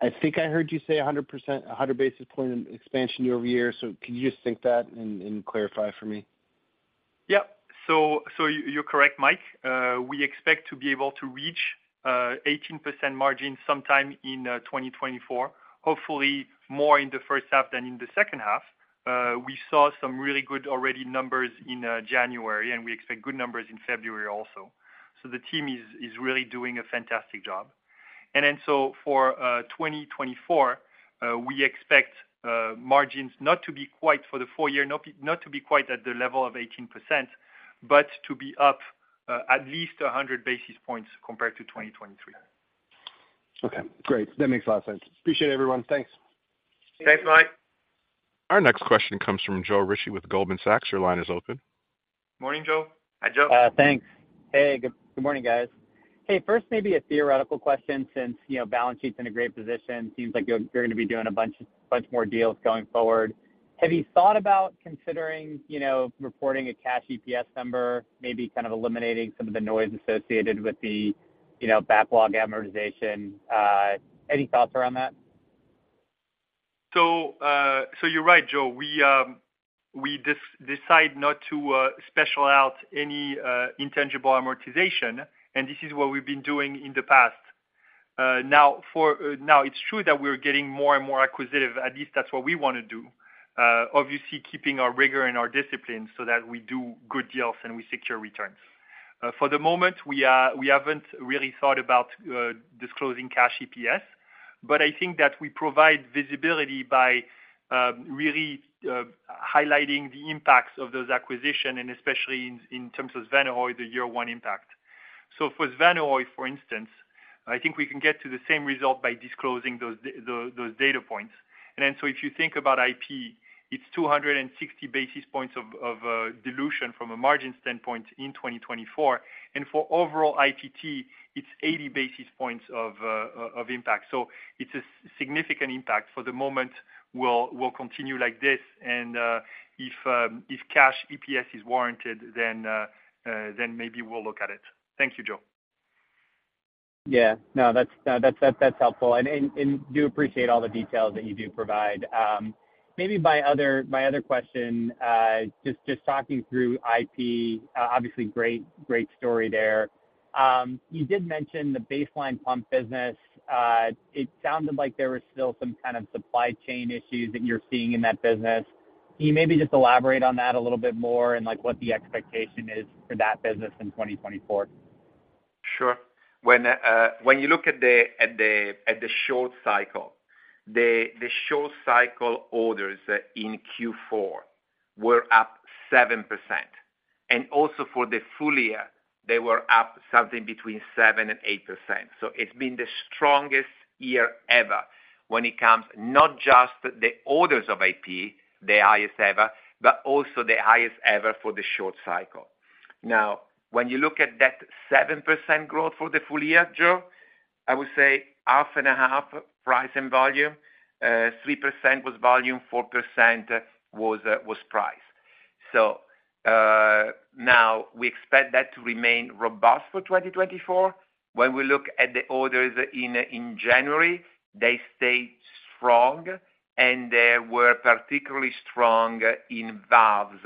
I think I heard you say 100 basis point expansion year over year. So could you just sync that and clarify for me? Yeah. So you're correct, Mike. We expect to be able to reach 18% margin sometime in 2024, hopefully more in the first half than in the second half. We saw some really good already numbers in January, and we expect good numbers in February also. So the team is really doing a fantastic job. And then for 2024, we expect margins not to be quite for the full year, not to be quite at the level of 18%, but to be up at least 100 basis points compared to 2023. Okay, great. That makes a lot of sense. Appreciate it, everyone. Thanks. Thanks, Mike. Our next question comes from Joe Ritchie with Goldman Sachs. Your line is open. Morning, Joe. Hi, Joe. Thanks. Hey, good, good morning, guys. Hey, first, maybe a theoretical question, since, you know, balance sheet's in a great position, seems like you're, you're gonna be doing a bunch, bunch more deals going forward. Have you thought about considering, you know, reporting a cash EPS number, maybe kind of eliminating some of the noise associated with the, you know, backlog amortization? Any thoughts around that? So you're right, Joe. We decide not to single out any intangible amortization, and this is what we've been doing in the past. Now it's true that we're getting more and more acquisitive. At least that's what we wanna do. Obviously, keeping our rigor and our discipline so that we do good deals and we secure returns. For the moment, we haven't really thought about disclosing cash EPS, but I think that we provide visibility by really highlighting the impacts of those acquisitions, and especially in terms of Svanehøj, the year one impact. So for Svanehøj, for instance, I think we can get to the same result by disclosing those data points. And then, so if you think about IP, it's 260 basis points of dilution from a margin standpoint in 2024. And for overall IPT, it's 80 basis points of impact. So it's a significant impact. For the moment, we'll continue like this, and if cash EPS is warranted, then maybe we'll look at it. Thank you, Joe. Yeah. No, that's helpful. And do appreciate all the details that you do provide. Maybe my other question, just talking through IP, obviously great, great story there. You did mention the baseline pump business. It sounded like there was still some kind of supply chain issues that you're seeing in that business. Can you maybe just elaborate on that a little bit more and, like, what the expectation is for that business in 2024? Sure. When you look at the short cycle orders in Q4 were up 7%, and also for the full year, they were up something between 7% and 8%. So it's been the strongest year ever when it comes, not just the orders of IP, the highest ever, but also the highest ever for the short cycle. Now, when you look at that 7% growth for the full year, Joe, I would say half and a half price and volume. Three percent was volume, four percent was price. So, now we expect that to remain robust for 2024... when we look at the orders in January, they stayed strong, and they were particularly strong in valves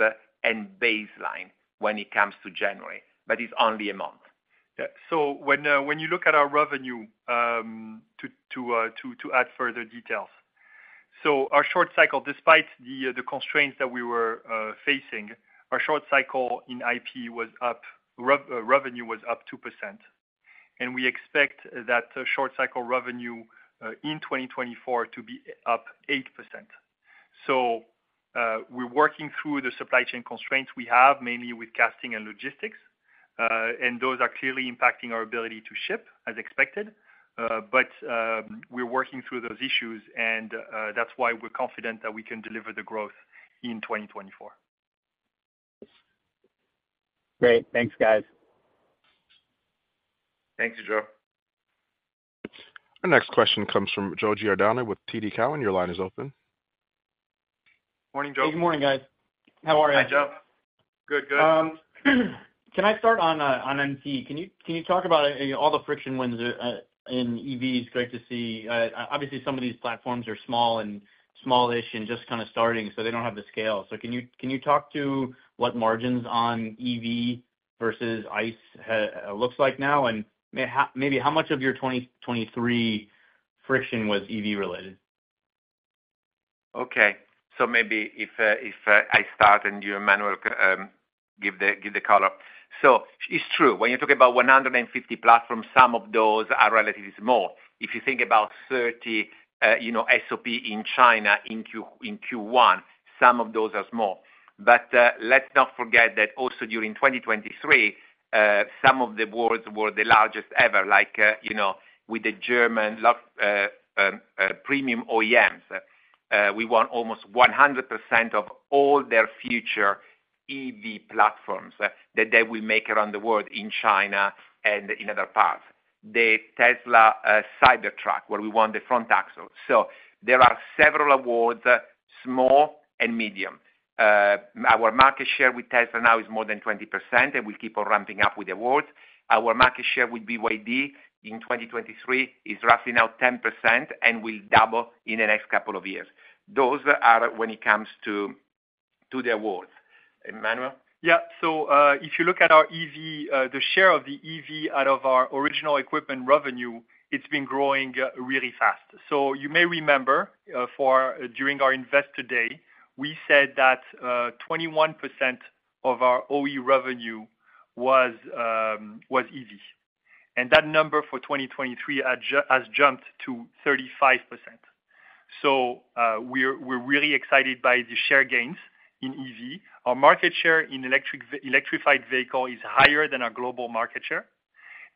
and baseline when it comes to January, but it's only a month. Yeah. So when you look at our revenue, to add further details. So our short cycle, despite the constraints that we were facing, our short cycle in IP revenue was up 2%, and we expect that short cycle revenue in 2024 to be up 8%. So we're working through the supply chain constraints we have, mainly with casting and logistics, and those are clearly impacting our ability to ship, as expected. But we're working through those issues and that's why we're confident that we can deliver the growth in 2024. Great. Thanks, guys. Thank you, Joe. Our next question comes from Joe Giordano with TD Cowen. Your line is open. Morning, Joe. Good morning, guys. How are you? Hi, Joe. Good, good. Can I start on, on MT? Can you, can you talk about, you know, all the friction wins, in EVs? Great to see. Obviously, some of these platforms are small and smallish and just kind of starting, so they don't have the scale. So can you, can you talk to what margins on EV versus ICE, looks like now? And maybe how much of your 2023 friction was EV related? Okay. So maybe if I start and you, Emmanuel, give the color. So it's true, when you talk about 150+, some of those are relatively small. If you think about 30, you know, SOP in China, in Q1, some of those are small. But let's not forget that also during 2023, some of the awards were the largest ever, like, you know, with the German premium OEMs. We want almost 100% of all their future EV platforms, that they will make around the world, in China and in other parts. The Tesla Cybertruck, where we want the front axle. So there are several awards, small and medium. Our market share with Tesla now is more than 20%, and we keep on ramping up with awards. Our market share with BYD in 2023 is roughly now 10% and will double in the next couple of years. Those are when it comes to the awards. Emmanuel? Yeah. So, if you look at our EV, the share of the EV out of our original equipment revenue, it's been growing really fast. So you may remember, during our Investor Day, we said that 21% of our OE revenue was EV, and that number for 2023 has jumped to 35%. So, we're really excited by the share gains in EV. Our market share in electrified vehicle is higher than our global market share.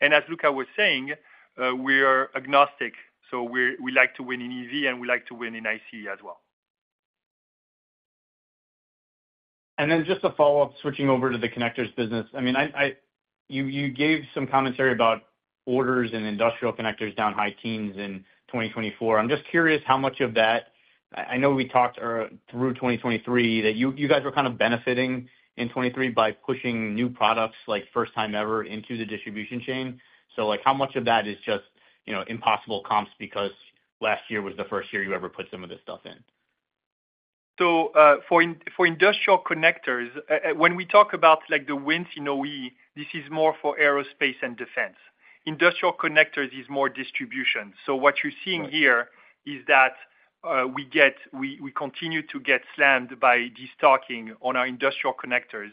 And as Luca was saying, we are agnostic, so we like to win in EV, and we like to win in ICE as well. And then just a follow-up, switching over to the connectors business. I mean, you gave some commentary about orders and industrial connectors down high teens in 2024. I'm just curious how much of that. I know we talked through 2023, that you guys were kind of benefiting in 2023 by pushing new products, like, first time ever into the distribution chain. So, like, how much of that is just, you know, impossible comps because last year was the first year you ever put some of this stuff in? So, for industrial connectors, when we talk about, like, the wins in OE, this is more for aerospace and defense. Industrial connectors is more distribution. So what you're seeing here- Right... is that, we continue to get slammed by destocking on our industrial connectors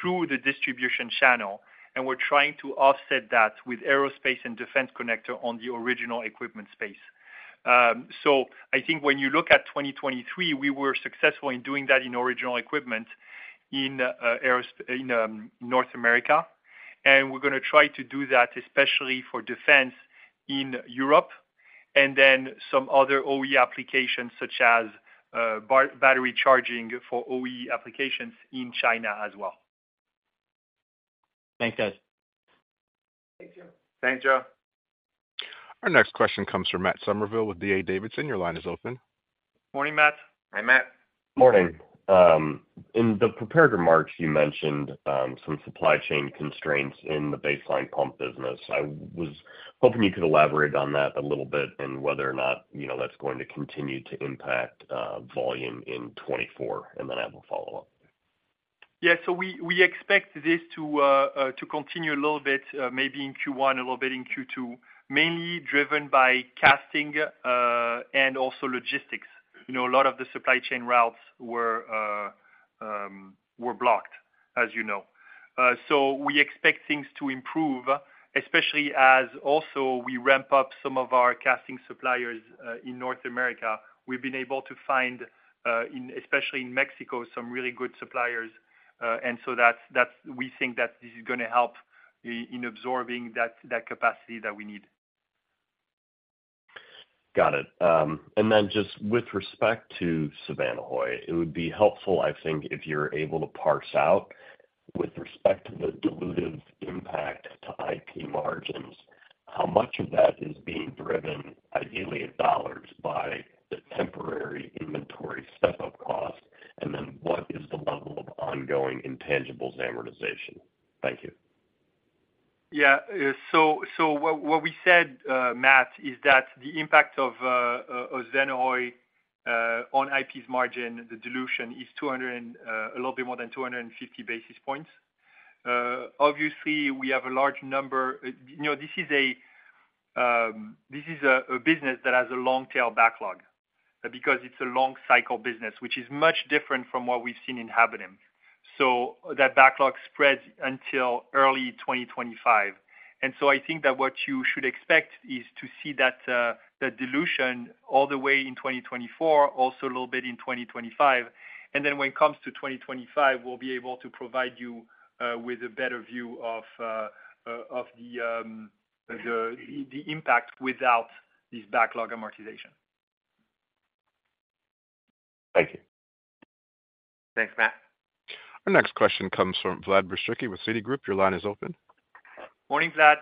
through the distribution channel, and we're trying to offset that with aerospace and defense connector on the original equipment space. So I think when you look at 2023, we were successful in doing that in original equipment in aerospace in North America, and we're gonna try to do that, especially for defense in Europe, and then some other OE applications, such as battery charging for OE applications in China as well. Thanks, guys. Thank you. Thanks, Joe. Our next question comes from Matt Summerville with D.A. Davidson. Your line is open. Morning, Matt. Hi, Matt. Morning. In the prepared remarks, you mentioned some supply chain constraints in the baseline pump business. I was hoping you could elaborate on that a little bit and whether or not, you know, that's going to continue to impact volume in 2024, and then I have a follow-up. Yeah. So we expect this to continue a little bit, maybe in Q1, a little bit in Q2, mainly driven by casting, and also logistics. You know, a lot of the supply chain routes were blocked, as you know. So we expect things to improve, especially as also we ramp up some of our casting suppliers in North America. We've been able to find, especially in Mexico, some really good suppliers. And so that's-- we think that this is gonna help in absorbing that capacity that we need. Got it. And then just with respect to Svanehøj, it would be helpful, I think, if you're able to parse out, with respect to the dilutive impact to IP margins, how much of that is being driven, ideally in U.S. dollars, by the temporary inventory step-up cost? And then what is the level of ongoing intangibles amortization? Thank you. Yeah. So what we said, Matt, is that the impact of Svanehøj on IP's margin, the dilution is 200 and a little bit more than 250 basis points. Obviously, we have a large number-- You know, this is a business that has a long tail backlog, because it's a long cycle business, which is much different from what we've seen in Habonim. So that backlog spreads until early 2025. And so I think that what you should expect is to see that dilution all the way in 2024, also a little bit in 2025. And then when it comes to 2025, we'll be able to provide you with a better view of the impact without this backlog amortization. Thank you. Thanks, Matt. Our next question comes from Vlad Bystricky with Citigroup. Your line is open. Morning, Vlad.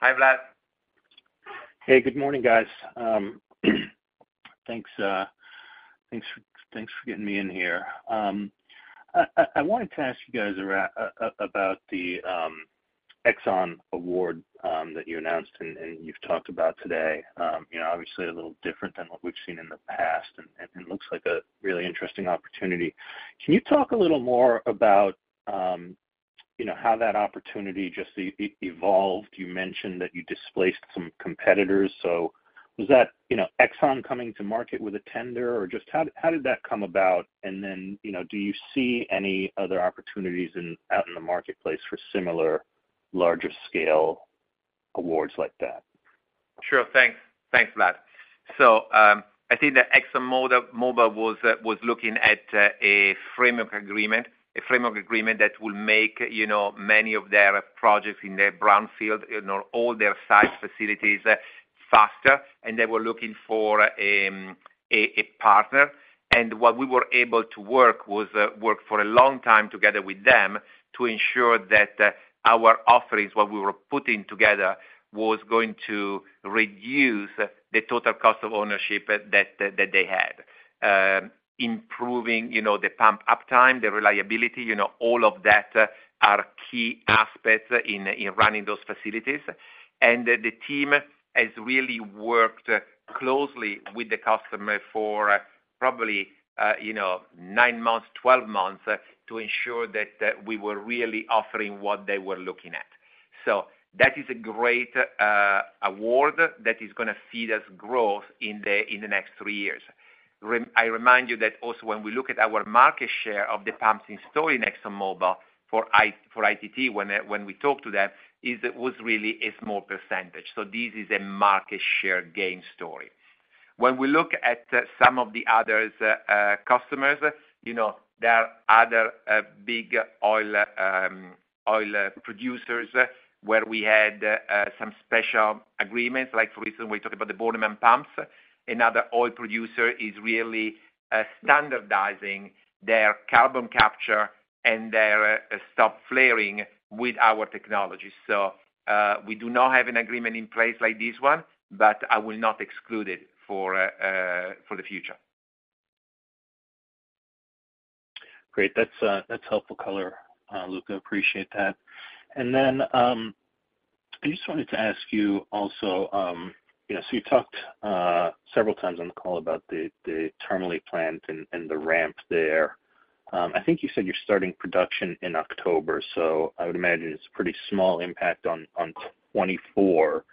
Hi, Vlad. Hey, good morning, guys. Thanks for getting me in here. I wanted to ask you guys about the Exxon award that you announced and you've talked about today. You know, obviously a little different than what we've seen in the past, and it looks like a really interesting opportunity. Can you talk a little more about, you know, how that opportunity just evolved? You mentioned that you displaced some competitors, so was that, you know, Exxon coming to market with a tender, or just how did that come about? And then, you know, do you see any other opportunities out in the marketplace for similar larger scale awards like that? Sure. Thanks. Thanks, Vlad. So, I think that ExxonMobil was looking at a framework agreement that will make, you know, many of their projects in their brownfield, you know, all their site facilities faster, and they were looking for a partner. And what we were able to work was work for a long time together with them to ensure that our offerings, what we were putting together, was going to reduce the total cost of ownership that they had. Improving, you know, the pump uptime, the reliability, you know, all of that are key aspects in running those facilities. And the team has really worked closely with the customer for probably, you know, nine months, twelve months to ensure that we were really offering what they were looking at. So that is a great award that is gonna feed us growth in the next three years. I remind you that also when we look at our market share of the pumps installed in ExxonMobil for ITT, when we talk to them, it was really a small percentage. So this is a market share gain story. When we look at some of the others, customers, you know, there are other big oil producers, where we had some special agreements, like for instance, we talked about the Bornemann Pumps. Another oil producer is really standardizing their carbon capture and their stop flaring with our technology. So we do not have an agreement in place like this one, but I will not exclude it for the future. Great. That's, that's helpful color, Luca, appreciate that. And then, I just wanted to ask you also, you know, so you talked several times on the call about the Termoli plant and the ramp there. I think you said you're starting production in October, so I would imagine it's a pretty small impact on 2024.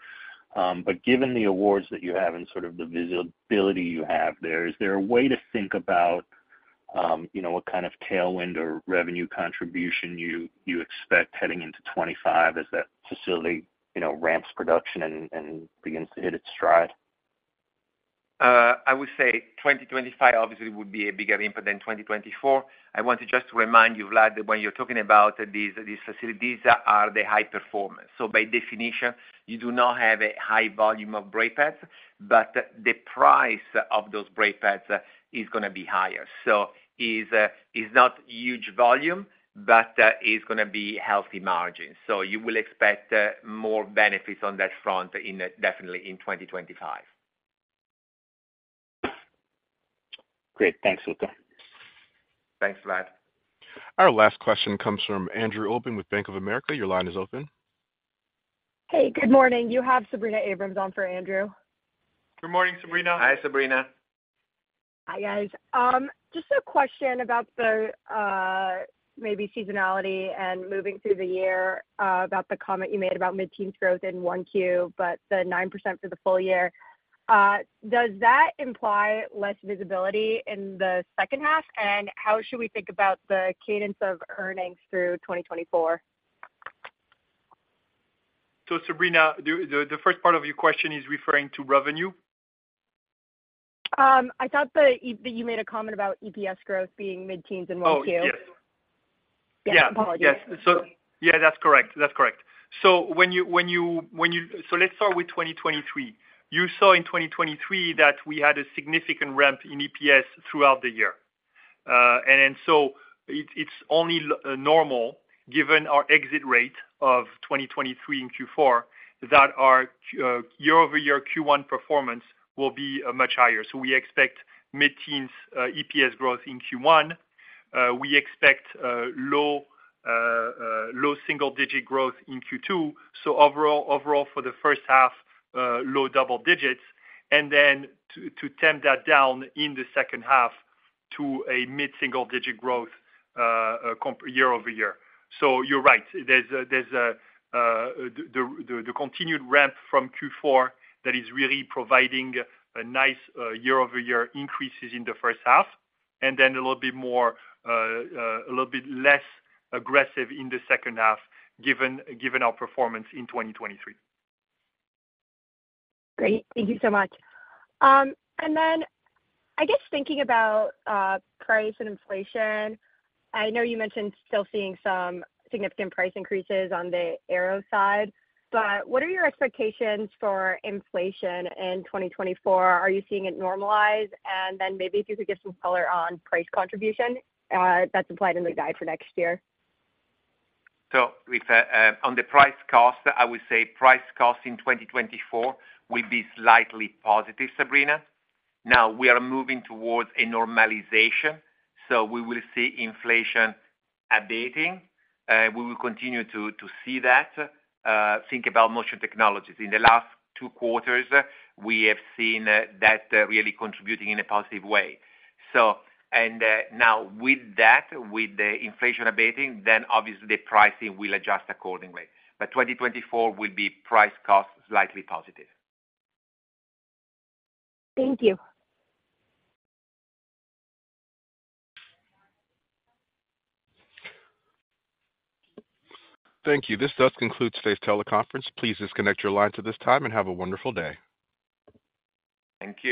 But given the awards that you have and sort of the visibility you have there, is there a way to think about, you know, what kind of tailwind or revenue contribution you expect heading into 2025 as that facility, you know, ramps production and begins to hit its stride? I would say 2025 obviously would be a bigger impact than 2024. I want to just to remind you, Vlad, that when you're talking about these, these facilities are the high performers. So by definition, you do not have a high volume of brake pads, but the price of those brake pads is gonna be higher. So is not huge volume, but is gonna be healthy margins. So you will expect more benefits on that front in definitely in 2025. Great. Thanks, Luca. Thanks, Vlad. Our last question comes from Andrew Obin with Bank of America. Your line is open. Hey, good morning. You have Sabrina Abrams on for Andrew. Good morning, Sabrina. Hi, Sabrina. Hi, guys. Just a question about the maybe seasonality and moving through the year, about the comment you made about mid-teen growth in 1Q, but the 9% for the full year. Does that imply less visibility in the second half? And how should we think about the cadence of earnings through 2024? So, Sabrina, the first part of your question is referring to revenue? I thought that you made a comment about EPS growth being mid-teens in 1Q. Oh, yes. Yeah, apologies. Yeah, that's correct. That's correct. So when you— So let's start with 2023. You saw in 2023 that we had a significant ramp in EPS throughout the year. And so it's only natural, given our exit rate of 2023 in Q4, that our year-over-year Q1 performance will be much higher. So we expect mid-teens EPS growth in Q1. We expect low single-digit growth in Q2. So overall for the first half, low double digits, and then to tamp that down in the second half to a mid-single digit growth comp year-over-year. So you're right, there's a continued ramp from Q4 that is really providing a nice year-over-year increases in the first half, and then a little bit less aggressive in the second half, given our performance in 2023. Great. Thank you so much. And then I guess thinking about price and inflation, I know you mentioned still seeing some significant price increases on the aero side, but what are your expectations for inflation in 2024? Are you seeing it normalize? And then maybe if you could give some color on price contribution that's applied in the guide for next year. So with on the price cost, I would say price cost in 2024 will be slightly positive, Sabrina. Now, we are moving towards a normalization, so we will see inflation abating. We will continue to see that. Think about Motion Technologies. In the last two quarters, we have seen that really contributing in a positive way. So, and now with that, with the inflation abating, then obviously the pricing will adjust accordingly. But 2024 will be price cost, slightly positive. Thank you. Thank you. This does conclude today's teleconference. Please disconnect your lines at this time and have a wonderful day. Thank you.